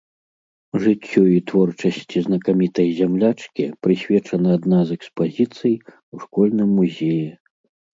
Жыццю і творчасці знакамітай зямлячкі прысвечана адна з экспазіцый у школьным музеі.